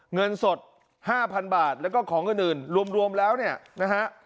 เงินสดห้าพันบาทแล้วก็ของอื่นอื่นรวมรวมแล้วเนี่ยนะฮะ